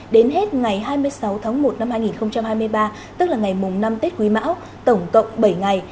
đến hết ngày hai mươi sáu tháng một năm hai nghìn hai mươi ba tức là ngày mùng năm tết quý mão tổng cộng bảy ngày